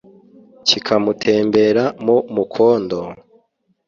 kikamutembera mu mukondo,